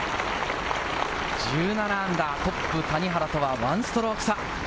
−１７、トップ・谷原とは１ストローク差。